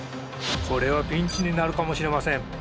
これはピンチになるかもしれません。